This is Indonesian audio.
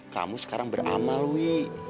kamu sekarang beramal wik